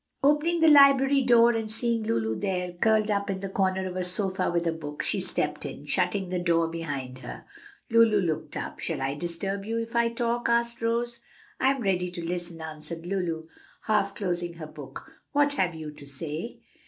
Opening the library door and seeing Lulu there curled up in the corner of a sofa with a book, she stepped in, shutting the door behind her. Lulu looked up. "Shall I disturb you if I talk?" asked Rose. "I'm ready to listen," answered Lulu, half closing her book. "What have you to say?"